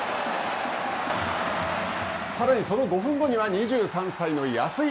さらにその５分後には２３歳の安居。